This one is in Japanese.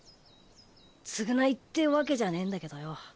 償いってわけじゃねえんだけどよ